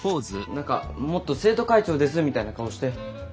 何かもっと「生徒会長です」みたいな顔して。